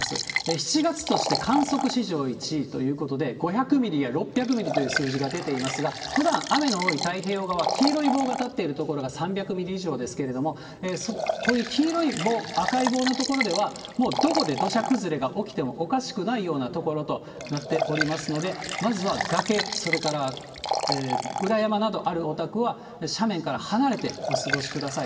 ７月として観測史上１位ということで、５００ミリや６００ミリという数字が出ていますが、ふだん、雨の多い太平洋側、黄色い棒が立っている所が３００ミリ以上ですけれども、こういう黄色い棒、赤い棒の所では、もうどこで土砂崩れが起きてもおかしくないような所となっておりますので、まずは崖、それから裏山などあるお宅は、斜面から離れてお過ごしください。